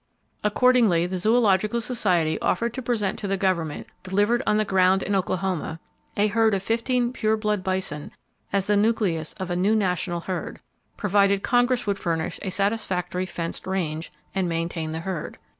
Accordingly, the Zoological Society offered to present to the Government, delivered on the ground in Oklahoma, a herd of fifteen pure blood bison as the nucleus of a new national herd, provided Congress would furnish a satisfactory fenced range, and maintain the herd.